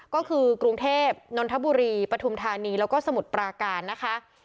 ก็คือกรุงเทพนรธบุรีประทุมธัณฑ์นีแล้วก็สมุดปราการนะฮะ